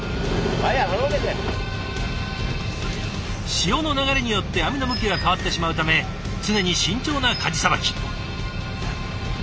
潮の流れによって網の向きが変わってしまうため常に慎重なかじさばき。